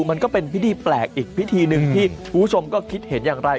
มันก็เป็นพิธีแปลกอีกพิธีหนึ่งที่คุณผู้ชมก็คิดเห็นอย่างไร